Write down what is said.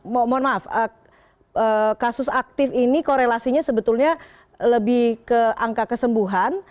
mohon maaf kasus aktif ini korelasinya sebetulnya lebih ke angka kesembuhan